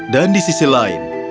dan di sisi lain